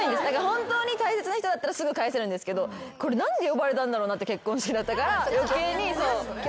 本当に大切な人だったらすぐ返せるんですけどこれ何で呼ばれたんだろうなって結婚式だったから余計に。